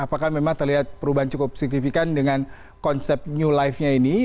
apakah memang terlihat perubahan cukup signifikan dengan konsep new life nya ini